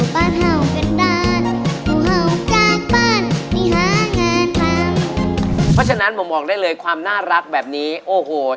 เพราะฉะนั้นผมบอกได้เลยความน่ารักแบบนี้โอ้โห